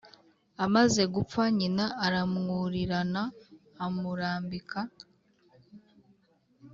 Amaze gupfa nyina aramwurirana amurambika